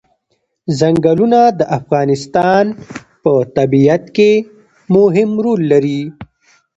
ځنګلونه د افغانستان په طبیعت کې مهم رول لري.